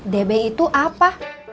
db itu apa